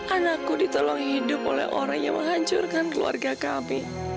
anakku ditolong hidup oleh orang yang menghancurkan keluarga kami